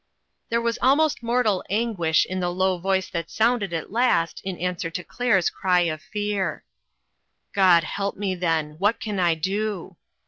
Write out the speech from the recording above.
There was almost mortal anguish in the low voice that sounded at last in answer to Claire's cry of fear. "God help me, then! What can I do?"